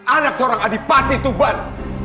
anak seorang adipati tuban